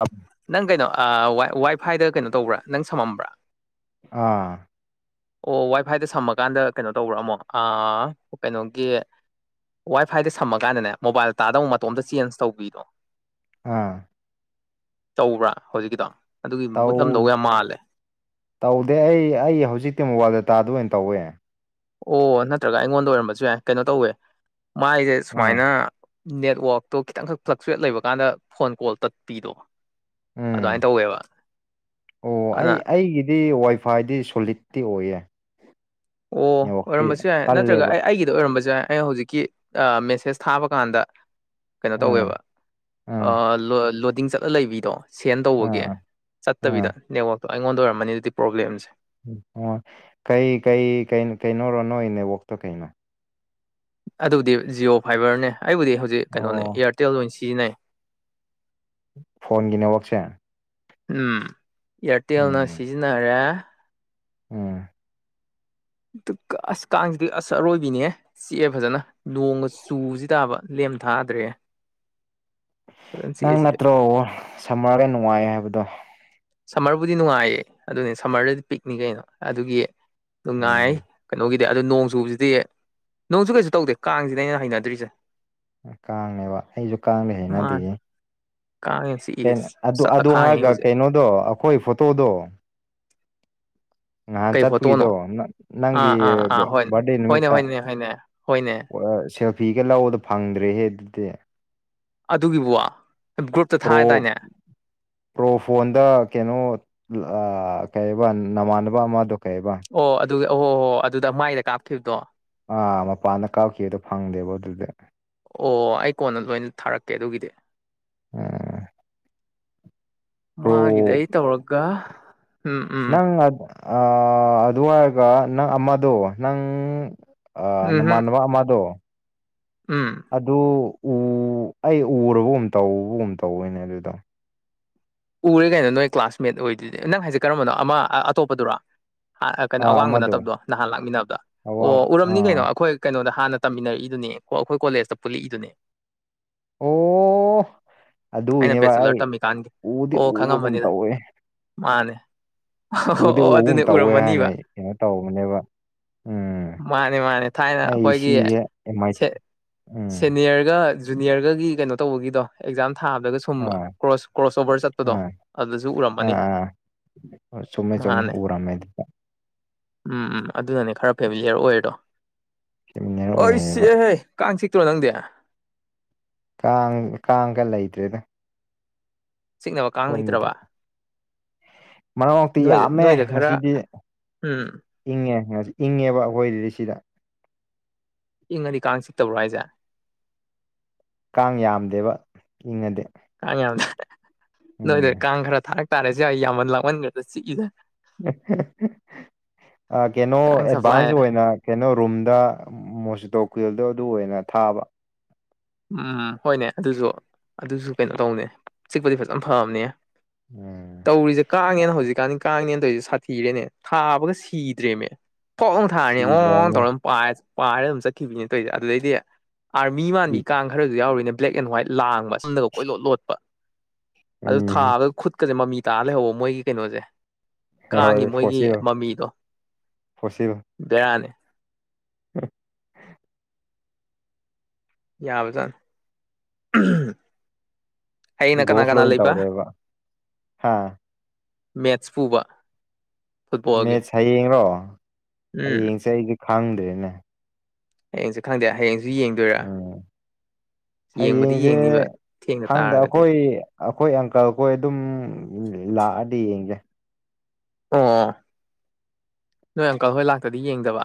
ꯑꯝ ꯅꯪ ꯀꯩꯅꯣ ꯋꯥꯏꯐꯥꯏꯗ ꯀꯩꯅꯣ ꯇꯧꯕ꯭ꯔꯥ ꯅꯪ ꯁꯝꯃꯝꯕ꯭ꯔꯥ ꯑꯥ ꯑꯣ ꯋꯥꯏꯐꯥꯏꯗ ꯁꯝꯃꯀꯥꯟꯗ ꯀꯩꯅꯣ ꯇꯧꯕ꯭ꯔꯥꯝꯃꯣ ꯀꯩꯅꯣꯒꯤ ꯋꯥꯏ ꯐꯥꯏꯗ ꯁꯝꯃ ꯀꯥꯟꯗꯅꯦ ꯃꯣꯕꯥꯏꯜ ꯇꯥꯗꯕ ꯃꯇꯣꯝꯇ ꯆꯦꯟꯖ ꯇꯧꯕꯤꯗꯣ ꯑꯥ ꯇꯧꯕ꯭ꯔꯥ ꯍꯧꯖꯤꯛꯀꯤꯗꯣ ꯑꯗꯨꯒꯤ ꯇꯧ ꯃꯨꯠꯂꯝꯗꯧꯕ ꯌꯥꯝ ꯃꯥꯜꯂꯦ ꯇꯧꯗꯦ ꯑꯩ ꯑꯩ ꯍꯧꯖꯤꯛꯇꯤ ꯃꯣꯕꯥꯏꯜ ꯗꯇꯥꯗꯨ ꯑꯣꯏꯅ ꯇꯧꯋꯦ ꯑꯣ ꯅꯠꯇ꯭ꯔꯒ ꯑꯩꯉꯣꯟꯗ ꯑꯣꯏꯔꯝꯕꯁꯨ ꯌꯥꯏ ꯀꯩꯅꯣ ꯇꯧꯋꯦ ꯃꯥꯏꯁꯦ ꯑꯥ ꯁꯨꯃꯥꯏꯅ ꯅꯦꯠꯋꯥꯛꯇꯣ ꯈꯤꯇꯪꯈꯛ ꯐ꯭ꯂꯛꯆꯨꯋꯦꯠ ꯂꯩꯕꯀꯥꯟꯗ ꯐꯣꯟ ꯀꯣꯜ ꯇꯠꯄꯤꯗꯣ ꯎꯝ ꯑꯗꯨꯃꯥꯏꯅ ꯇꯧꯋꯦꯕ ꯑꯣ ꯑꯗꯨꯅ ꯑꯩ ꯑꯩꯒꯤꯗꯤ ꯋꯥꯏꯐ ꯈ꯭ꯋꯥꯏꯗꯤ ꯁꯣꯂꯤꯠꯇꯇꯤ ꯑꯣꯏꯌꯦ ꯑꯣ ꯅꯦꯠꯋꯥꯛꯇꯤ ꯑꯣꯏꯔꯝꯕꯁꯨ ꯌꯥꯏ ꯅꯠꯇ꯭ꯔꯒ ꯀꯜꯂꯦꯕ ꯑꯩ ꯑꯩꯒꯤꯗꯤ ꯑꯗꯨ ꯑꯣꯏꯔꯝꯕꯁꯨ ꯌꯥꯏ ꯑꯩꯅ ꯍꯧꯖꯤꯛꯀꯤ ꯃꯦꯁꯦꯁ ꯊꯥꯕ ꯀꯥꯟꯗ ꯀꯩꯅꯣ ꯑꯥ ꯇꯧꯋꯦꯕ ꯑꯥ ꯂꯣꯗꯤꯡ ꯆꯠꯂ ꯂꯩꯕꯤꯗꯣ ꯁꯦꯟ ꯇꯧꯕꯒꯤ ꯑꯥ ꯑꯥ ꯆꯠꯇꯕꯤꯗ ꯅꯦꯠꯋꯥꯛꯇꯣ ꯑꯩꯉꯣꯟꯗ ꯑꯣꯏꯔꯝꯃꯅꯤ ꯑꯗꯨꯗꯤ ꯄ꯭ꯔꯣꯕ꯭ꯂꯦꯝꯁꯦ ꯑꯣ ꯀꯩ ꯀꯩ ꯀꯩꯅ ꯀꯩꯅꯧꯣꯔꯣ ꯅꯣꯏ ꯅꯦꯋꯣꯛꯇꯣ ꯀꯩꯅꯣ ꯑꯗꯨꯗꯤ ꯖꯤꯌꯑꯣ ꯐꯥꯏꯕꯔꯅꯦ ꯑꯩꯕꯨꯗꯤ ꯍꯧꯖꯤꯛ ꯀꯩꯅꯣꯅꯦ ꯑꯣ ꯑꯦꯌꯥꯔꯇꯦꯜ ꯑꯣꯏꯅꯁꯤ ꯆꯤꯅꯦ ꯐꯣꯟꯒꯤ ꯅꯦꯠꯋꯥꯛꯁꯦ ꯎꯝ ꯏꯌꯥꯔꯇꯦꯜꯅ ꯎꯝ ꯁꯤꯖꯤꯟꯅꯔꯦ ꯎꯝ ꯑꯁ ꯀꯥꯡꯁꯤꯗꯤ ꯑꯁ ꯑꯔꯣꯏꯕꯤꯅꯦ ꯆꯤꯛꯑꯦ ꯐꯖꯅ ꯅꯣꯡꯒ ꯆꯨꯁꯤ ꯇꯥꯕ ꯂꯦꯝ ꯊꯥꯗ꯭ꯔꯦ ꯐꯖꯅ ꯅꯪ ꯆꯤꯛꯑꯦ ꯁꯤꯗꯤ ꯅꯠꯇ꯭ꯔꯣ ꯁꯝꯃꯔꯒ ꯅꯨꯡꯉꯥꯏ ꯍꯥꯏꯕꯗꯣ ꯁꯝꯃꯔꯕꯨꯗꯤ ꯅꯨꯡꯉꯥꯏꯌꯦ ꯑꯗꯨꯅꯤ ꯁꯝꯃꯔꯗꯗꯤ ꯄꯤꯛꯅꯤ ꯀꯩꯅꯣ ꯑꯗꯨꯒꯤ ꯅꯨꯡꯉꯥꯏ ꯎꯝ ꯀꯩꯅꯣꯒꯤ ꯑꯗꯨꯗꯣ ꯅꯣꯡ ꯆꯨꯕꯁꯤꯗꯤ ꯅꯣꯡꯁꯨ ꯀꯩꯁꯨ ꯇꯧꯗꯦ ꯀꯥꯡꯁꯤꯅ ꯑꯩꯅ ꯍꯩꯅꯗ꯭ꯔꯤꯁꯦ ꯀꯥꯡꯉꯦꯕ ꯑꯩꯁꯨ ꯀꯥꯡꯂꯦ ꯍꯥꯏꯅꯗꯤ ꯀꯁꯦ ꯅ ꯑꯗꯨ ꯑꯗꯨ ꯍꯥꯏꯔꯒ ꯀꯩꯅꯣꯗꯣ ꯑꯩꯈꯣꯏ ꯐꯣꯇꯣꯗꯣ ꯅꯍꯥꯟ ꯀꯩ ꯐꯣꯇꯣꯅꯣ ꯆꯠꯄꯒꯤꯗꯣ ꯅꯪꯒꯤ ꯑꯥ ꯑꯥ ꯑꯥ ꯍꯣꯏꯅꯦ ꯕꯥꯔꯗꯦ ꯍꯣꯏꯅꯦ ꯅꯨꯃꯤꯠꯇ ꯍꯣꯏꯅꯦ ꯍꯣꯏꯅꯦ ꯍꯣꯏꯅꯦ ꯁꯦꯜꯐꯤꯒ ꯂꯧꯕꯗꯣ ꯐꯪꯗ꯭ꯔꯦꯍꯦ ꯑꯗꯨꯗꯤ ꯑꯗꯨꯒꯤꯕꯨ ꯒ꯭ꯔꯨꯞꯇ ꯄ꯭ꯔꯣ ꯊꯥꯗꯥꯏꯅꯦ ꯄ꯭ꯔꯣ ꯐꯣꯟꯗ ꯀꯩꯅꯣ ꯑ ꯀꯩꯕ ꯅꯃꯥꯟꯅ ꯕ ꯃꯥꯗꯨ ꯀꯩꯕ ꯑꯣ ꯑꯗꯨ ꯑꯍꯣ ꯍꯍꯣ ꯑꯗꯨꯗ ꯃꯥꯏꯗ ꯀꯥꯞꯈꯤꯕꯗꯣ ꯑꯥ ꯃꯄꯥꯟꯗ ꯀꯥꯞꯈꯤꯗꯣ ꯐꯪꯗꯦꯕ ꯑꯗꯨꯗꯥ ꯑꯣ ꯑꯩ ꯀꯣꯟꯅ ꯂꯣꯏꯅ ꯊꯥꯔꯛꯀꯦ ꯑꯗꯨꯒꯤꯗꯤ ꯄ꯭ꯔꯣ ꯃꯥꯒꯤꯗ ꯑꯩ ꯇꯧꯔꯒ ꯎꯝ ꯎꯝ ꯅꯪ ꯑ ꯥꯗꯨꯍꯥꯏꯔꯒ ꯅꯪ ꯑꯃꯗꯣ ꯅꯪ ꯑꯥ ꯎꯝꯍꯝ ꯅꯃꯥꯟꯅꯕ ꯑꯃꯗꯣ ꯎꯝ ꯑꯗꯨ ꯎ ꯑꯩ ꯎꯔꯕꯒꯨꯝ ꯇꯧꯕꯒꯨꯝ ꯇꯧꯏꯅꯦ ꯑꯗꯨꯗꯣ ꯎꯔꯦ ꯀꯥꯏꯅꯣ ꯅꯣꯏ ꯀ꯭ꯂꯥꯁꯃꯦꯠ ꯑꯣꯏꯗꯨꯗꯤ ꯅꯪ ꯍꯥꯏꯁꯦ ꯀꯔꯝꯕꯅꯣ ꯑꯃ ꯑꯇꯣꯞꯄꯗꯨꯔꯣ ꯀꯩꯅꯣ ꯑꯥ ꯑꯋꯥꯡꯕ ꯑꯃꯗꯣ ꯅꯠꯇꯕꯗꯣ ꯅꯍꯥꯟ ꯂꯥꯛꯃꯤꯟꯅꯕꯗ ꯑꯋꯥ ꯑꯣ ꯎꯔꯝꯅꯤ ꯀꯩꯅꯣ ꯑꯥ ꯑꯩꯈꯣꯏ ꯀꯩꯅꯣꯗ ꯍꯥꯟꯅ ꯇꯝꯃꯤꯟꯅꯔꯛꯏꯗꯨꯅꯦ ꯑꯩꯈꯣꯏ ꯀꯣꯂꯦꯖꯇ ꯄꯨꯜꯂꯛꯏꯗꯨꯅꯦ ꯑꯣ ꯑꯩꯅ ꯑꯗꯨꯒꯤꯅꯦꯕ ꯕꯦꯆ‌ꯦꯂꯔ ꯑꯩ ꯇꯝꯃꯤꯀꯥꯟ ꯎꯗꯤ ꯑꯣ ꯎꯕꯒꯨꯝ ꯈꯪꯉꯝꯃꯅꯤꯗ ꯇꯧꯋꯦ ꯃꯥꯅꯦ ꯑꯣ ꯎꯗꯤ ꯑꯣ ꯎꯒꯨꯝ ꯑꯗꯨꯅꯦ ꯇꯧꯋꯦ ꯍꯥꯏꯅ ꯎꯔꯝꯃꯅꯤꯕ ꯑꯩ ꯀꯩꯅꯣ ꯇꯧꯕꯅꯦꯕ ꯎꯝ ꯃꯥꯅ‌ꯦ ꯃꯥꯅ‌ꯦ ꯊꯥꯏꯅ ꯑꯩ ꯑꯩꯈꯣꯏꯒꯤ ꯁꯤꯁꯦ ꯑꯦꯃꯥꯏ ꯁ‌ꯦ ꯎꯝ ꯁꯦꯅꯤꯌꯔꯒ ꯖꯨꯅꯤꯌꯔꯒꯒꯤ ꯀꯩꯅꯣ ꯇꯧꯕꯒꯤꯗꯣ ꯑꯦꯛꯖꯥꯝ ꯊꯥꯕꯗꯒ ꯁꯨꯝ ꯑꯥ ꯀ꯭ꯔꯣꯁ ꯀ꯭ꯔꯣꯁ ꯑꯣꯕꯔ ꯆꯠ ꯗꯣ ꯑꯥ ꯑꯗꯨꯗꯁꯨ ꯑꯥ ꯎꯔꯝꯃꯅꯤ ꯑꯥ ꯍꯣꯏ ꯆꯨꯝꯃꯦ ꯆꯨꯝꯃꯦ ꯃꯥꯅꯦ ꯎꯔꯝꯃꯦ ꯑꯗꯨꯗ ꯎꯝ ꯎꯝ ꯑꯗꯨꯅꯅꯦ ꯈꯔ ꯐꯦꯃꯤꯂꯤꯌꯔ ꯑꯣꯏꯔꯤꯗꯣ ꯁꯦꯃꯤꯅꯔ ꯑꯥꯏꯁ ꯑꯣꯏꯌꯦꯕ ꯆꯤꯛꯑꯦꯍꯩ ꯀꯥꯡ ꯆꯤꯛꯇ꯭ꯔꯣ ꯅꯪꯗꯤ ꯀꯥꯡ ꯀꯥꯡꯒ ꯂꯩꯇ꯭ꯔꯦꯗ ꯆꯤꯛꯅꯕ ꯀꯥꯡ ꯁꯣꯝꯗꯗꯤ ꯂꯩꯇ꯭ꯥꯔꯕ ꯃꯔꯛ ꯃꯔꯛꯇꯤ ꯌꯥꯝꯃꯦ ꯈꯔ ꯉꯁꯤꯗꯤ ꯎꯝ ꯏꯪꯉꯦ ꯏꯪꯉꯦꯕ ꯑꯩꯈꯣꯏꯖꯤꯗꯤ ꯁꯤꯗ ꯏꯪꯉꯗꯤ ꯀꯥꯡ ꯆꯤꯛꯇꯕ꯭ꯔꯣ ꯍꯥꯏꯖ‌ꯦ ꯀꯥꯡ ꯌꯥꯝꯗꯦꯕ ꯏꯪꯉꯗꯤ ꯀꯥꯡ ꯌꯥꯝꯅ ꯅꯣꯏꯗ ꯎꯝ ꯀꯥꯡ ꯈꯔ ꯊꯥꯔꯛ ꯇꯥꯔꯦ ꯁꯋꯥꯏ ꯌꯥꯃꯟ ꯂꯥꯛꯃꯟꯒ꯭ꯔꯦꯗ ꯆꯤꯛꯏꯖ‌ꯦ ꯑ ꯀꯩꯅꯣ ꯀꯥꯡ ꯁꯄ꯭ꯂꯥꯏ ꯑꯦꯗꯚꯥꯟꯁ ꯑꯣꯏꯅ ꯀꯩꯅꯣ ꯔꯨꯝꯗ ꯃꯣꯁꯤꯇꯣ ꯀꯨꯏꯜꯗꯣ ꯑꯗꯨ ꯑꯣꯏꯅ ꯊꯥꯕ ꯎꯝ ꯍꯣꯏꯅꯦ ꯑꯗꯨꯁꯨ ꯑꯗꯨꯁꯨ ꯀꯩꯅꯣ ꯇꯧꯅꯦ ꯆꯤꯛꯄꯗꯤ ꯐꯖꯅ ꯐꯕꯅꯦ [unintelligible] ꯇꯧꯔꯤꯖ‌ꯦ ꯀꯥꯡꯅꯦꯅ ꯍꯧꯖꯤꯛꯀꯥꯟ ꯀꯥꯡꯅꯦꯅ ꯇ‌ꯣꯏꯖ‌ꯦ ꯁꯥꯊꯤꯔꯦꯅꯦ ꯊꯥꯕꯒ ꯁꯤꯗ꯭ꯔꯦꯃꯦ ꯐꯣꯛ ꯂꯥꯎ ꯊꯥꯔꯅꯤ ꯑꯣꯉ ꯁꯤꯗ꯭ꯔꯅ ꯇꯧꯔ ꯄꯥꯏ ꯄꯥꯏꯔ ꯑꯗꯨꯝ ꯆꯠꯈꯤꯕꯤꯅꯦ ꯇ‌ꯣꯏꯖꯦ ꯑꯗꯨꯗꯩꯗꯤ ꯑꯥꯔꯃꯤ ꯃꯥꯟꯕꯤ ꯥꯀꯥꯡ ꯈꯔꯥꯖꯨ ꯌꯥꯎꯔꯤꯅꯦ ꯕ꯭ꯂꯦꯛ ꯑꯦꯟ ꯍ꯭ꯋꯥꯏꯠ ꯂꯥꯡꯕ ꯁꯝꯗꯒ ꯀꯣꯏ ꯂꯣꯠ ꯂꯣꯠꯄ ꯑꯗꯨ ꯎꯝ ꯊꯥꯕꯒ ꯈꯨꯠ ꯀꯖ‌ꯦ ꯃꯃꯤ ꯇꯥꯔ ꯂꯩꯍꯧꯕ ꯃꯣꯏꯒꯤ ꯀꯩꯅꯣꯖ‌ꯦ ꯀꯥꯡꯒꯤ ꯍꯣꯏ ꯃꯣꯏꯒꯤ ꯐꯣꯁꯤꯜ ꯃꯃꯤꯗꯣ ꯐꯣꯁꯤꯜ ꯕꯦꯔꯥꯅꯦ [inaudible] ꯌꯥꯕꯖꯥꯟ ꯍꯌ‌ꯦꯡꯅ ꯀꯅꯥ ꯏꯕꯣꯐ ꯀꯅꯥ ꯂꯣꯏ ꯂꯩꯕ ꯇꯧꯔꯦꯕ ꯍꯥ ꯃꯦꯠꯁ ꯄꯨꯕꯥ ꯃꯦꯠꯁ ꯍꯌꯦꯡꯔꯣ ꯎꯝ ꯍꯌꯦꯡꯁꯦ ꯑꯩꯗꯤ ꯈꯪꯗ꯭ꯔꯦꯅꯦ ꯍꯌꯦꯡꯁ‌ꯦ ꯈꯪꯗꯦ ꯍꯌꯦꯡꯁ‌ꯦ ꯌꯦꯡ ꯗꯣꯏꯔ ꯎꯝ ꯌꯦꯡꯕꯗꯤ ꯍꯌꯦꯡꯁꯦ ꯌꯦꯡꯅꯤꯕ ꯊꯦꯡꯅ ꯇꯥꯔꯒꯗꯤ ꯑꯈꯣꯏ ꯑꯪꯀꯜꯈꯣꯏ ꯑꯗꯨꯝ ꯂꯥꯛꯑꯗꯤ ꯌꯦꯡꯗ‌ꯦ ꯑꯣ ꯅꯣꯏ ꯑꯪꯀꯜ ꯍꯣꯏ ꯂꯥꯛꯇꯗꯤ ꯌꯦꯡꯗꯕ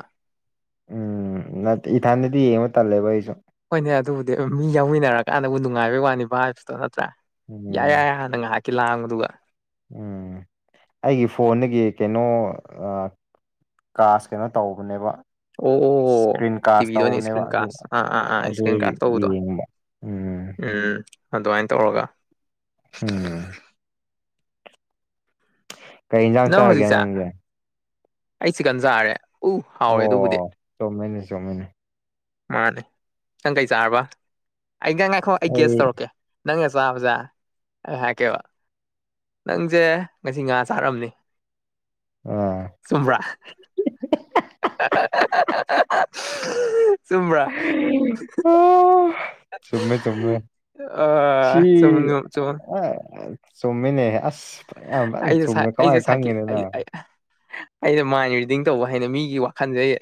ꯎꯝ ꯅꯠ ꯏꯊꯟꯗꯗꯤ ꯌꯦꯡꯕ ꯇꯜꯂꯦꯕ ꯑꯩꯁꯨ ꯍꯣꯏꯅꯦ ꯑꯗꯨꯕꯨꯗꯤ ꯃꯤ ꯌꯥꯎꯃꯤꯟꯅꯔꯀꯥꯟꯗꯕꯨ ꯅꯨꯡꯉꯥꯏꯕꯩ ꯋꯥꯅꯤ ꯚꯥꯏꯚ꯭ꯁꯇꯣ ꯅꯠꯇ꯭ꯔꯥ ꯌꯥꯏ ꯎꯝ ꯌꯥꯏ ꯉꯥꯏꯍꯥꯛꯀꯤ ꯂꯥꯡꯕꯗꯨꯒ ꯎꯝ ꯑꯩꯒꯤ ꯐꯣꯟꯗꯒꯤ ꯀꯩꯅꯣ ꯑꯥ ꯀꯥꯁ ꯀꯩꯅꯣ ꯇꯧꯕꯅꯦꯕ ꯑꯣ ꯑꯣ ꯑ‌ꯣ ꯏꯁꯀ꯭ꯔꯤꯟ ꯀꯥꯁ ꯇꯤꯚꯤꯗ ꯑꯣꯏꯅ ꯇꯧꯕꯅꯦꯕ ꯏꯁꯀ꯭ꯔꯤꯟ ꯑꯗꯨ ꯀꯥꯁ ꯑꯥ ꯑꯥ ꯑꯥ ꯑꯗꯨ ꯏꯁꯀ꯭ꯔꯤꯟ ꯀꯥꯁ ꯇꯧꯕꯗꯣ ꯌꯦꯡꯕ ꯎꯝ ꯎꯝ ꯑꯗꯨꯃꯥꯏ ꯇꯧꯔꯒ ꯎꯝ ꯀꯩ ꯌꯦꯟꯖꯥꯡ ꯅꯪ ꯆꯥꯔꯒꯦ ꯍꯧꯖꯤꯛꯁꯦ ꯅꯪꯒꯤ ꯑꯩ ꯆꯤꯛꯀꯟ ꯆꯥꯔꯦ ꯎ ꯍꯥꯎꯔꯦ ꯑꯗꯨꯕꯨꯗꯤ ꯑꯣ ꯆꯨꯝꯃꯤꯅꯦ ꯆꯨꯝꯃꯤꯅꯦ ꯃꯥꯅꯦ ꯅꯪ ꯀꯩ ꯆꯥꯔꯕ ꯑꯩ ꯉꯥꯏꯈꯣ ꯑꯩ ꯒꯦꯁ ꯇꯧꯔꯛꯀꯦ ꯅꯪ ꯆꯕꯖꯦ ꯑꯩ ꯍꯥꯏꯔꯛꯀꯦꯕ ꯅꯪꯁꯦ ꯉꯁꯤ ꯉꯥ ꯆꯥꯔꯝꯅꯤ ꯑ ꯆꯨꯝꯕ꯭ꯔꯥ ꯆꯨꯝꯕ꯭ꯔꯥ ꯆꯨꯝꯃꯦ ꯆꯨꯝꯃꯦ ꯑ ꯆꯨꯝ ꯁꯤ ꯆꯨꯝ ꯑ ꯆꯨꯝꯃꯤꯅꯦ ꯑꯁ ꯌꯥꯝ ꯐꯖꯅ ꯑꯩꯁꯦ ꯆꯨꯝꯃꯦ ꯀꯃꯥꯏ ꯑꯩꯁꯦ ꯁꯥꯏꯀꯤ ꯈꯪꯉꯤꯅꯣ ꯑꯩ ꯅꯪ ꯑꯩꯅ ꯃꯥꯏꯟ ꯔꯤꯗꯤꯡ ꯇꯧꯕ ꯍꯩꯅ ꯃꯤꯒꯤ ꯋꯥꯈꯜꯖꯦ ꯑꯩ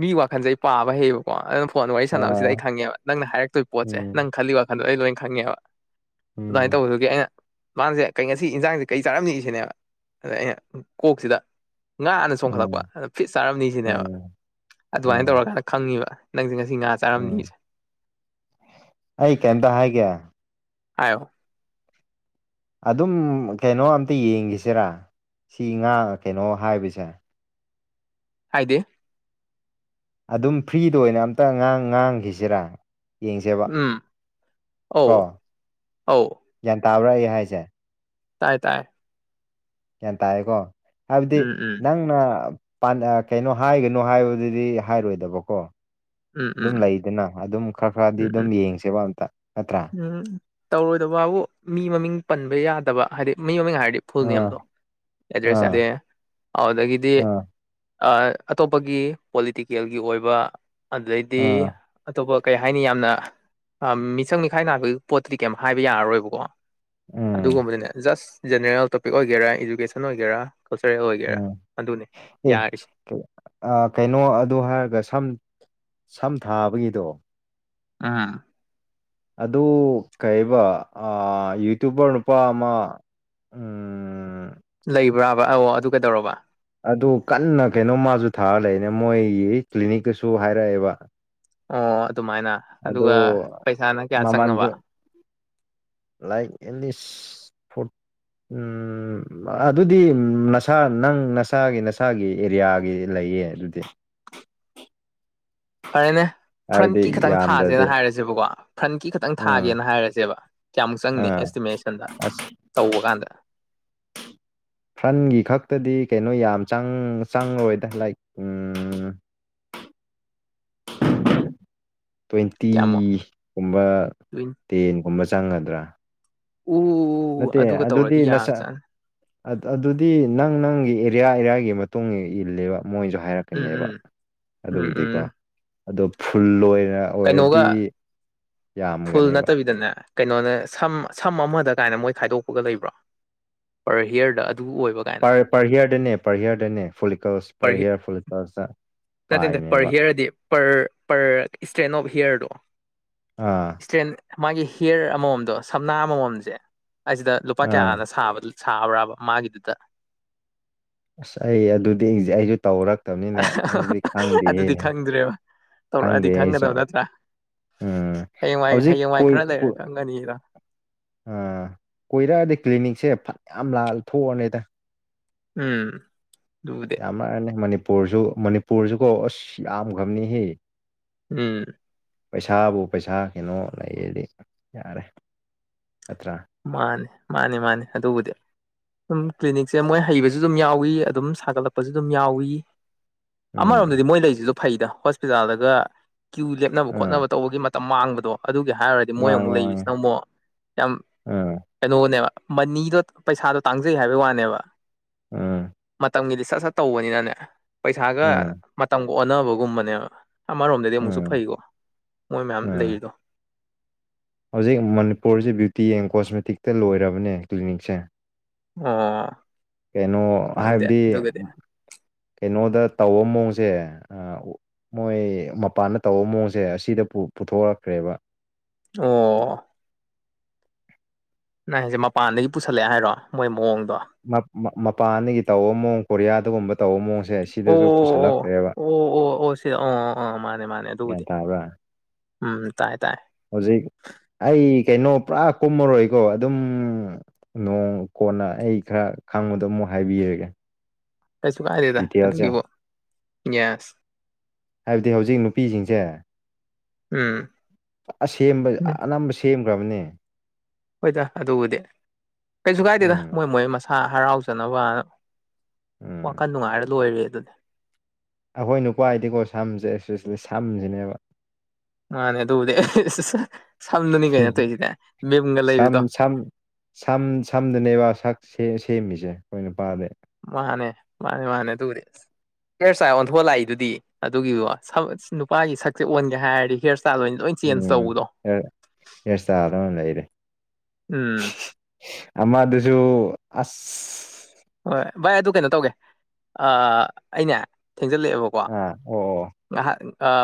ꯃꯤꯒꯤ ꯋꯥꯈꯜꯖꯦ ꯑꯩ ꯄꯥꯕ ꯍꯩꯌꯦꯕ ꯀꯣ ꯑꯗꯨꯅ ꯐꯣꯟꯗ ꯋꯥꯔꯤ ꯁꯥꯟꯅꯕꯁꯤꯗ ꯑꯥ ꯑꯩ ꯈꯪꯉꯦꯕ ꯅꯪꯅ ꯍꯥꯏꯔꯛꯇꯣꯏꯕ ꯄꯣꯠꯁꯦ ꯎꯝ ꯅꯪ ꯈꯜꯂꯤ ꯋꯥꯈꯜꯗꯣ ꯑꯩ ꯂꯣꯏ ꯈꯪꯉꯦꯕ ꯑꯗꯨꯃꯥꯏꯅ ꯎꯝ ꯇꯧꯕꯗꯨꯒꯤ ꯑꯩꯅ ꯃꯥꯁꯦ ꯀꯩ ꯉ ꯁꯤ ꯏꯟꯖꯥꯡꯖꯦ ꯀꯩ ꯆꯥꯔꯝꯅꯤ ꯁꯤꯅꯦꯕ ꯑꯗ ꯑꯩꯅ ꯀꯣꯛꯁꯤꯗ ꯉꯥꯅ ꯆꯣꯡꯈꯠꯂꯛꯄ ꯎꯝ ꯑꯗ ꯐꯤꯁ ꯆꯥꯔꯝꯅꯤ ꯁꯤꯅꯦꯕ ꯎꯝ ꯑꯗꯨꯃꯥꯏꯅ ꯎꯝ ꯇꯧꯔꯀꯥꯟꯗ ꯈꯪꯉꯤꯕ ꯅꯪꯁ‌ꯦ ꯉꯁꯤ ꯉꯥ ꯎꯝ ꯆꯥꯔꯝꯅꯤꯁ‌ꯦ ꯑꯩ ꯀꯩꯝꯇ ꯍꯥꯏꯒꯦ ꯍꯥꯏꯌꯣ ꯑꯗꯨꯝ ꯀꯩꯅꯣ ꯑꯝꯇ ꯌꯦꯡꯒꯤꯁꯤꯔꯥ ꯁꯤ ꯉꯥ ꯀꯩꯅꯣ ꯍꯥꯏꯕꯖꯦ ꯍꯥꯏꯗꯤ ꯑꯗꯨꯝ ꯐ꯭ꯔꯤꯗ ꯑꯣꯏꯅ ꯑꯝꯇꯥ ꯉꯥꯡ ꯉꯥꯡꯒꯤꯁꯤꯔꯥ ꯌꯦꯡꯁꯦꯕ ꯎꯝ ꯑꯧ ꯀꯣ ꯑꯧ ꯒ꯭ꯌꯥꯟ ꯇꯥꯕ꯭ꯔꯥ ꯑꯩ ꯍꯥꯏꯁꯦ ꯇꯥꯏ ꯇꯥꯏ ꯒ꯭ꯌꯥꯟ ꯇꯥꯥꯏꯌꯦꯀꯣ ꯍꯥꯏꯕꯗꯤ ꯎꯝ ꯎꯝ ꯅꯪꯅ ꯄꯥꯟꯗ ꯀꯩꯅꯣ ꯍꯥꯏꯒꯅꯨ ꯍꯥꯏꯕꯗꯨꯗꯤ ꯍꯥꯏꯔꯣꯏꯗꯕꯀꯣ ꯎꯝ ꯑꯗꯨꯝ ꯎꯝ ꯂꯩꯗꯅ ꯑꯗꯨꯝ ꯈꯔ ꯈꯔꯗꯤ ꯎꯝ ꯑꯗꯨꯝ ꯎꯝ ꯌꯦꯡꯁꯦꯕ ꯑꯝꯇ ꯅꯠꯇ꯭ꯔꯥ ꯎꯝ ꯇꯧꯔꯣꯏꯗꯕꯕꯨ ꯃꯤ ꯃꯃꯤꯡ ꯄꯟꯕ ꯌꯥꯗꯕ ꯍꯥꯏꯗꯤ ꯃꯤ ꯃꯃꯤꯡ ꯍꯥꯏꯔꯗꯤ ꯐꯨꯜ ꯑꯥ ꯅꯦꯝꯗꯣ ꯑꯦꯗꯦꯁ ꯑꯥ ꯌꯤꯗꯦ ꯑꯗꯨꯗꯒꯤꯗꯤ ꯑꯥ ꯑ ꯑꯇꯣꯞꯄꯒꯤ ꯄꯣꯂꯤꯇꯤꯀꯦꯜꯒꯤ ꯑꯣꯏꯕ ꯑꯗꯩꯗꯤ ꯑꯥ ꯑꯇꯣꯞꯄ ꯀꯩ ꯍꯥꯏꯅꯤ ꯌꯥꯝꯅ ꯑ ꯃꯤꯆꯪ ꯃꯤꯈꯥꯏ ꯅꯥꯕꯒꯤ ꯄꯣꯠꯇꯨꯗꯤ ꯀꯩꯝ ꯍꯥꯏꯕ ꯌꯥꯔꯔꯣꯏꯕꯀꯣ ꯎꯝ ꯑꯗꯨꯒꯨꯝꯕꯅꯦ ꯖꯁ ꯖꯦꯅꯔꯦꯜ ꯇꯣꯄꯤꯛ ꯑꯣꯏꯒꯦꯔꯥ ꯏꯗꯨꯀꯦꯁꯟ ꯑꯣꯏꯒꯦꯔꯥ ꯀꯜꯆꯔꯦꯜ ꯑꯣꯏꯒꯦꯔꯥ ꯎꯝ ꯑꯗꯨꯅꯦ ꯌꯥꯔꯤꯁꯤ ꯑ ꯀꯩꯅꯣ ꯑꯗꯨ ꯍꯥꯏꯔꯒ ꯁꯝ ꯁꯝ ꯊꯥꯕꯒꯤꯗꯣ ꯎꯝ ꯑꯗꯨ ꯀꯩꯕ ꯑ ꯌꯨꯇ꯭ꯌꯨꯕꯔ ꯅꯨꯄꯥ ꯑꯃ ꯎꯝ ꯂꯩꯕ꯭ꯔꯥꯕ ꯑꯧ ꯑꯗꯨ ꯀꯩꯗꯧꯔꯕ ꯑꯗꯨ ꯀꯟꯅ ꯀꯩꯅꯣ ꯃꯥꯖꯨ ꯊꯥꯔ ꯂꯩꯔꯦ ꯃꯣꯏꯒꯤ ꯀ꯭ꯂꯤꯅꯤꯛꯀꯁꯨ ꯍꯥꯏꯔꯛꯑꯦꯕ ꯑꯣ ꯑꯗꯨꯃꯥꯏꯅ ꯑꯗꯣ ꯑꯗꯨꯒ ꯄꯩꯁꯥꯅ ꯀꯌꯥ ꯆꯪꯉꯕ ꯃꯃꯜꯁꯨ ꯂꯥꯏꯛ ꯑꯦꯠꯂꯤꯁ ꯐꯣꯔꯠ ꯎꯝ ꯑꯗꯨꯗꯤ ꯅꯁꯥ ꯅꯪ ꯅꯁꯥꯒꯤ ꯅꯁꯥꯒꯤ ꯑꯦꯔꯤꯌꯥꯒꯤ ꯂꯩꯌꯦ ꯑꯗꯨꯗꯤ ꯐꯔꯦꯅꯦ ꯍꯥꯏꯕꯗꯤ ꯐ꯭ꯔꯟꯀꯤ ꯈꯤꯇꯪ ꯌꯥꯝꯗ꯭ꯔꯗꯤ ꯊꯥꯁꯦꯅ ꯍꯥꯏꯔꯁꯦꯕꯀꯣ ꯐ꯭ꯔꯟꯀꯤ ꯈꯤꯇꯪ ꯎꯝ ꯊꯥꯒꯦꯅ ꯍꯥꯏꯔꯁꯦꯕ ꯀꯌꯥꯃꯨꯛ ꯆꯪꯅꯤ ꯑꯥ ꯑꯦꯁꯇꯤꯃꯦꯁꯟꯗ ꯑꯁ ꯇꯧꯕ ꯀꯥꯟꯗ ꯐ꯭ꯔꯟꯒꯤ ꯈꯛꯇꯗꯤ ꯀꯩꯅꯣ ꯌꯥꯝ ꯆꯪ ꯆꯪꯉ‌ꯣꯏꯗ ꯂꯥꯏꯛ [unintelligible] ꯇ꯭ꯋꯦꯟꯇꯤ ꯀꯌꯥꯃꯨꯛ ꯒꯨꯝꯕ ꯇ꯭ꯋꯦꯟ ꯇꯦꯟ ꯒꯨꯝꯕ ꯆꯪꯒꯗ꯭ꯔꯥ ꯎ ꯑꯗꯨꯒ ꯇꯧꯔꯗꯤ ꯌꯥꯕꯥꯖꯥꯠꯅꯤ ꯑꯗꯨ ꯑꯗꯨꯗꯤ ꯅꯪ ꯅꯪꯒꯤ ꯑꯦꯔꯤꯌꯥ ꯑꯦꯔꯤꯌꯥꯒꯤ ꯃꯇꯨꯡ ꯏꯜꯂꯦꯕ ꯃꯣꯏꯅꯁꯨ ꯎꯝ ꯍꯥꯏꯔꯛꯀꯅꯦꯕ ꯎꯝ ꯎꯝ ꯎꯝ ꯑꯗꯨꯕꯨꯗꯤꯀꯣ ꯑꯗꯣ ꯐꯨꯜ ꯑꯣꯏꯔ ꯀꯩꯅꯣꯒ ꯐꯨꯜ ꯌꯥꯝꯒꯅꯦꯕ ꯅꯠꯇꯕꯤꯗꯅꯦ ꯀꯩꯅꯣꯅꯦ ꯁꯝ ꯁꯝ ꯑꯃꯗ ꯀꯥꯏꯅ ꯃꯣꯏ ꯈꯥꯏꯗꯣꯛꯄꯒ ꯂꯩꯕ꯭ꯔꯣ ꯄꯔ ꯍꯤꯌꯔꯗ ꯑꯗꯨ ꯑꯣꯏꯕ ꯀꯥꯏꯅ ꯄꯔ ꯄꯔꯍꯤꯌꯥꯔ ꯗꯅꯦ ꯄꯔꯍꯤꯌꯥꯔ ꯗꯅꯦ [unintelligible] ꯄꯔ ꯍꯤ ꯄꯔꯍꯤꯌꯥꯔ [unintelligible] ꯅꯠꯇꯦ ꯅꯠꯇꯦ ꯄꯔ ꯍꯤꯌꯔ ꯍꯥꯏꯗꯤ ꯄꯔ ꯄꯔ ꯏꯁꯇ꯭ꯔꯦꯟ ꯑꯣꯐ ꯍꯤꯌꯔꯗꯣ ꯑꯥ ꯏꯁꯇ꯭ꯔꯦꯟ ꯃꯥꯒꯤ ꯍꯤꯌꯔ ꯑꯃꯃꯝꯗꯣ ꯁꯝꯅꯥ ꯑꯃꯃꯝꯁꯦ ꯑꯁꯤꯗ ꯂꯨꯄꯥ ꯑꯥ ꯀꯌꯥꯅ ꯁꯥꯕ ꯁꯥꯕ꯭ꯔꯥꯕ ꯃꯥꯒꯤꯗꯨꯗ ꯑꯁ ꯑꯩ ꯑꯗꯨꯗꯤ ꯑꯩꯁꯦ ꯑꯩꯁꯨ ꯇꯧꯔ [unintelligible] ꯑꯗꯨꯗꯤ ꯈꯪꯗ꯭ꯔꯦꯕ ꯈꯪꯗꯦ ꯇꯧꯔꯛꯑꯗꯤ ꯑꯩꯁꯨ ꯈꯪꯒꯗꯕ ꯅꯠꯇ꯭ꯔꯥ ꯎꯝ ꯍꯌꯦꯡꯋꯥꯏ ꯍꯧꯖꯤꯛ ꯍꯌꯦꯡꯋꯥꯏ ꯈꯔ ꯂꯩꯔ ꯈꯪꯒꯅꯤꯗ ꯎꯪ ꯀꯣꯏꯔꯛꯑꯗꯤ ꯀ꯭ꯂꯤꯅꯤꯛꯁꯦ ꯐꯅꯌꯥꯝ ꯂꯥꯜ ꯊꯣꯛꯑꯅꯤꯗ ꯎꯝ ꯗꯨꯕꯨ ꯀꯃꯥꯏ ꯍꯥꯏꯅꯤ ꯃꯅꯤꯄꯨꯔꯁꯨ ꯃꯅꯤꯄꯨꯔꯁꯨꯀꯣ ꯑꯁ ꯌꯥꯝꯒ꯭ꯔꯝꯅꯤꯍꯦ ꯎꯝ ꯄꯩꯁꯥꯕꯨ ꯄꯩꯁꯥ ꯀꯩꯅꯣ ꯂꯩꯔꯗꯤ ꯌꯥꯔꯦ ꯅꯠꯇ꯭ꯔꯥ ꯃꯥꯅꯤ ꯃꯥꯅꯤ ꯃꯥꯅꯤ ꯑꯗꯨꯕꯨꯗꯤ ꯁꯨꯝ ꯀ꯭ꯂꯤꯅꯤꯛꯁꯦ ꯃꯣꯏ ꯍꯩꯕꯁꯨ ꯑꯗꯨꯝ ꯌꯥꯎꯏ ꯑꯗꯨꯝ ꯁꯥꯒꯠꯂꯛꯄꯁꯨ ꯑꯗꯨꯝ ꯌꯥꯎꯏ ꯑꯃꯔꯣꯝꯗꯗꯤ ꯎꯝ ꯃꯣꯏ ꯂꯩꯁꯤꯁꯨ ꯐꯩꯗ ꯍꯣꯁꯄꯤꯇꯥꯜꯗꯒ ꯀ꯭ꯌꯨ ꯂꯦꯞꯅꯕ ꯎꯝ ꯈꯣꯠꯅꯕ ꯇꯧꯕꯒꯤ ꯃꯠ ꯇ ꯃꯥꯡꯕꯗꯣ ꯑꯗꯨꯒꯤ ꯍꯥꯏꯔꯨꯔꯗꯤ ꯃꯣꯏ ꯑꯃꯨꯛ ꯃꯥꯡꯉꯦ ꯃꯥꯡꯉꯦ ꯂꯩꯕꯁꯤꯅ ꯑꯃꯨꯛ ꯌꯥꯝ ꯎꯝ ꯀꯩꯅꯣꯅꯦꯕ ꯃꯅꯤꯗꯣ ꯄꯩꯁꯥꯗꯣ ꯇꯥꯡꯖꯩ ꯍꯥꯏꯕꯩ ꯋꯥꯅꯦꯕ ꯎꯝ ꯃꯇꯝꯒꯤꯗꯤ ꯁꯠ ꯁꯠ ꯇꯧꯕꯅꯤꯅꯅꯦ ꯄꯩꯁꯥꯒ ꯎꯝ ꯃꯇꯝꯒ ꯑꯣꯟꯅꯕꯒꯨꯝꯕꯅꯦꯕ ꯑꯃꯔꯣꯝꯗꯗꯤ ꯑꯃꯨꯛꯁꯨ ꯎꯝ ꯐꯩꯀꯣ ꯃꯣꯏ ꯃꯌꯥꯝ ꯎꯝ ꯂꯩꯔꯤꯗꯣ ꯍꯧꯖꯤꯛ ꯃꯅꯤꯄꯨꯔꯁꯦ ꯕ꯭ꯌꯨꯇꯤ ꯑꯦꯟ ꯀꯣꯁꯃꯦꯇꯤꯛꯇ ꯂꯣꯏꯔꯕꯅꯦ ꯀ꯭ꯂꯤꯅꯤꯛꯁꯦ ꯑꯣ ꯀꯩꯅꯣ ꯈꯪꯗꯦ ꯍꯥꯏꯕꯗꯤ ꯑꯗꯨꯒꯗꯤ ꯀꯩꯅꯣꯗ ꯇꯧꯕ ꯃꯑꯣꯡꯁꯦ ꯑꯥ ꯃꯣꯏ ꯃꯄꯥꯟꯗ ꯇꯧꯕ ꯃꯑꯣꯡꯁꯦ ꯑꯁꯤꯗ ꯄꯨ ꯄꯨꯊꯣꯔꯣꯔꯛꯈ꯭ꯔꯦꯕ ꯑꯣ ꯅꯪꯁꯦ ꯃꯄꯥꯟꯗꯒꯤ ꯄꯨꯁꯜꯂꯛꯑꯦ ꯍꯥꯏꯔꯣ ꯃꯣꯏ ꯃꯑꯣꯡꯗꯣ ꯃꯞ ꯃꯄꯥꯟꯗꯒꯤ ꯇꯧꯕ ꯃꯑꯣꯡ ꯀꯣꯔꯤꯌꯥꯗꯒꯨꯝꯕ ꯇꯧꯕ ꯃꯑꯣꯡꯁ ꯑꯣ ꯑꯣ ꯑꯣ ꯑꯣ ꯑꯣ ꯑꯣ ꯁꯤꯗ ꯑ ꯑ ꯃꯥꯅꯦ ꯃꯥꯅꯦ ꯒ꯭ꯌꯥꯟ ꯑꯗꯨꯕꯨꯗꯤ ꯇꯥꯕ꯭ꯔꯥ ꯎꯝ ꯇꯥꯏ ꯇꯥꯏ ꯍꯧꯖꯤꯛ ꯑꯩ ꯀꯩꯅꯣ ꯄꯨꯔꯥ ꯀꯨꯝꯃꯔꯣꯏꯀꯣ ꯑꯗꯨꯝ ꯅꯣꯡ ꯀꯣꯟꯅ ꯑꯩ ꯈꯔ ꯈꯪꯕꯗꯣ ꯑꯃꯨꯛ ꯍꯥꯏꯕꯤꯔꯒꯦ ꯀꯩꯁꯨ ꯀꯥꯏꯗꯦꯗ ꯗꯤꯇꯦꯜꯁꯦ ꯑꯗꯨꯒꯤꯕꯨ ꯒ꯭ꯌꯥꯁ ꯍꯥꯏꯕꯗꯤ ꯍꯧꯖꯤꯛ ꯅꯨꯄꯤꯁꯤꯡꯁꯦ ꯎꯝ ꯑꯁꯦꯝꯕ ꯎꯝ ꯑꯅꯝꯕ ꯁꯦꯝꯈ꯭ꯔꯕꯅꯦ ꯍꯣꯏꯗ ꯑꯗꯨꯕꯨꯗꯤ ꯀꯩꯁꯨ ꯀꯥꯏꯗꯦꯗ ꯎꯝ ꯃꯣꯏ ꯃꯣꯏ ꯃꯁꯥ ꯍꯔꯥꯎꯖꯅꯕꯅ ꯎꯝ ꯋꯥꯈꯟ ꯅꯨꯡꯉꯥꯏꯔ ꯂꯣꯏꯔꯦ ꯑꯗꯨꯅꯦ ꯑꯩꯈꯣꯏ ꯅꯨꯄꯥꯒꯤꯗꯤꯀꯣ ꯁꯝꯁꯦ ꯑꯦꯁꯤꯁꯅꯤ ꯁꯝꯁꯤꯅꯦꯕ ꯃꯥꯅꯦ ꯑꯗꯨꯕꯨꯗꯤ [unintelligible] ꯁꯝꯗꯅꯤ ꯀꯩꯅꯣꯇꯧꯔꯤꯁꯤꯗꯦ ꯃꯤꯝꯒ ꯁꯝ ꯂꯩꯕꯗꯣ ꯁꯝ ꯁꯝ ꯁꯝꯗꯅꯦꯕ ꯁꯛ ꯁꯦ ꯁꯦꯝꯃꯤꯁꯦ ꯑꯩꯈꯣꯏꯅ ꯅꯨꯄꯥꯗꯤ ꯃꯥꯅꯦ ꯃꯥꯅꯦ ꯃꯥꯅꯦ ꯑꯗꯨꯕꯨꯗꯤ ꯍꯤꯌꯔ ꯏꯁꯇꯥꯏꯜ ꯑꯣꯟꯊꯣꯛꯑ ꯂꯥꯛꯏꯗꯨꯗꯤ ꯑꯗꯨꯒꯤꯕꯣ ꯁꯝ ꯅꯨꯄꯥꯒꯤ ꯁꯛꯁꯦ ꯑꯣꯟꯒꯦ ꯍꯥꯏꯔꯗꯤ ꯍꯤꯌꯔ ꯏꯁꯇꯥꯏꯜ [unintelligible] ꯎꯝ ꯍꯦꯌꯔ ꯇꯧꯕꯗꯣ ꯍꯦꯌꯔ ꯏꯁꯇꯥꯏꯜꯗ ꯑꯣꯏꯅ ꯂꯩꯔꯦ ꯎꯝ [unintelligible] ꯑꯃꯥ ꯑꯗꯨꯁꯨ ꯑꯁ ꯍꯣꯏꯣꯏ ꯚꯥꯏ ꯑꯗꯨ ꯀꯩꯅꯣ ꯇꯧꯒꯦ ꯑꯅꯦ ꯊꯦꯡꯖꯜꯂꯛꯑꯦꯕꯀꯣ ꯑ ꯑꯣ ꯑꯣ ꯉꯥꯏꯍꯥꯛ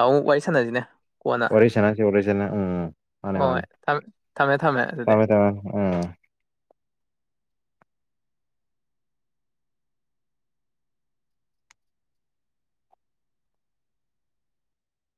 ꯑꯃꯨꯛ ꯋꯥꯔꯤ ꯁꯥꯟꯅꯁꯤꯅꯦ ꯀꯣꯟꯅ ꯋꯥꯔꯤ ꯁꯥꯟꯅꯁꯤ ꯋꯥꯔꯤ ꯁꯥꯟꯅ ꯎꯝ ꯃꯥꯅꯦ ꯍꯣꯏ ꯃꯥꯅꯦ ꯊ ꯊꯝꯃꯦ ꯊꯝꯃꯦ ꯑꯗꯨꯗꯤ ꯇꯥꯃꯦ ꯇꯥꯃꯦ ꯑꯥ